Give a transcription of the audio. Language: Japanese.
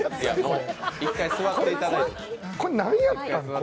一回座っていただいて。